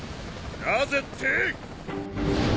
なぜって？